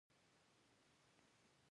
سترګې د بدن تر ټولو تېز عضلات لري.